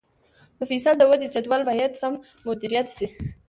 د فصل د ودې جدول باید سم مدیریت شي.